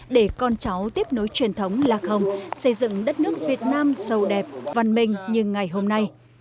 để con cháu tiếp nối truyền thống là không xây dựng đất nước việt nam sâu đẹp văn minh như ngày hôm nay